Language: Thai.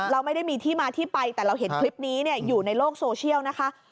เราไม่ได้มีที่มาที่ไปแต่เราเห็นคลิปนี้อยู่ในโลกโซเชียลนะคะ